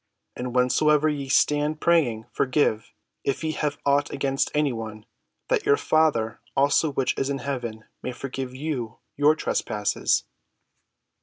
And whensoever ye stand praying, forgive, if ye have aught against any one; that your Father also which is in heaven may forgive you your trespasses."